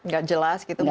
gak jelas gitu mungkin